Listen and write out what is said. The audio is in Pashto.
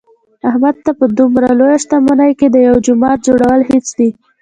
احمد ته په دمره لویه شتمنۍ کې د یوه جومات جوړل هېڅ دي.